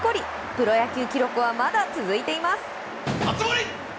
プロ野球記録はまだ続いています。